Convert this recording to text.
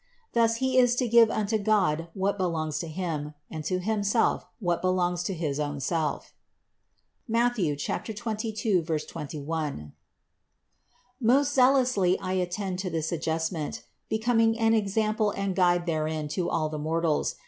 Thus he is to give unto God what belongs to Him, and to himself what belongs to his own self (Matth. 22, 21). 15. Most zealously I attended to this adjustment, be coming an example and guide therein to all the mortals.